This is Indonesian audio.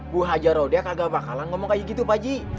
bu haja roh dia kagak bakalan ngomong kaya gitu pak haji